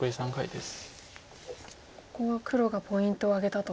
ここは黒がポイントを挙げたと。